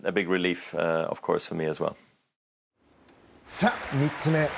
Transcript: さあ、３つ目。